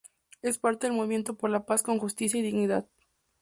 Es parte del Movimiento por la paz con justicia y dignidad.